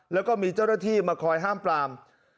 และมีเจ้ารถที่มาคอยห้ามปลาม